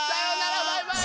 バイバイ！